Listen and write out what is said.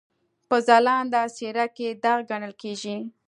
په ځلانده څېره کې داغ ګڼل کېږي.